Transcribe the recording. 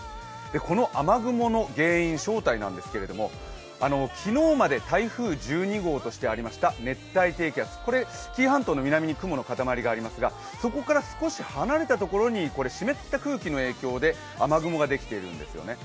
この雨雲の原因、正体なんですけれども昨日まで台風１２号としてありました熱帯低気圧これ、紀伊半島の南に雲の塊がありますが、そこから少し離れたところに湿った空気の影響で雨雲ができているんですよね。